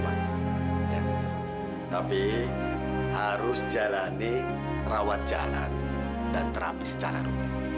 pevita hari ini kamu udah bisa pulang